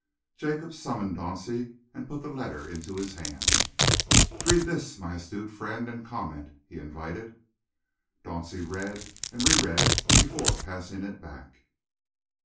Jacob summoned Dauncey and put the letter into his hand. "Read this, my astute friend, and comment," he invited. Dauncey read and reread it before passing it back.